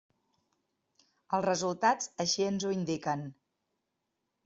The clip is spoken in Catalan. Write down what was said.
Els resultats així ens ho indiquen.